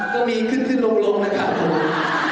ก็มีขึ้นขึ้นลงนะครับผม